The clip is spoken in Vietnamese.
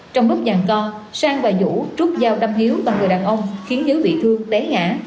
trong lúc dàn co sang và vũ trút giao đâm hiếu và người đàn ông khiến hiếu bị thương đé ngã